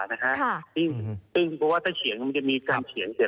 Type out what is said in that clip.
นะฮะค่ะซึ่งเพราะว่าถ้าเฉียงมันจะมีการเฉียงเสร็จ